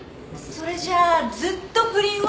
それじゃあずっと不倫を？